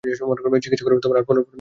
চিকিৎসা করেও আর ফলপ্রসূ কিছু হবে না।